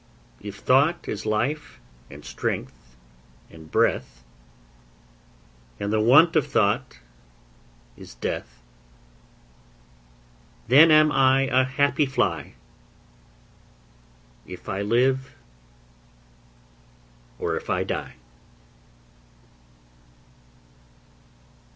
If thought is life And strength and breath, And the want Of thought is death; Then am I A happy fly. If I live, Or if I die.